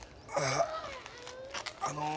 ああの。